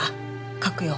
書くよ。